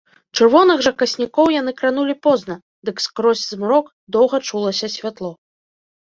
Чырвоных жа каснікоў яны кранулі позна, дык скрозь змрок доўга чулася святло.